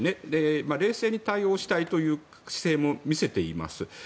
冷静に対応したいという姿勢も見せています。